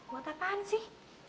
mau tanya apaan sih